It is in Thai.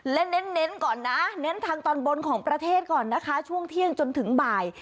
และเน้นก่อนนะเน้นทางตอนบนของประเทศก่อนนะคะช่วงเที่ยงจนถึงบ่าย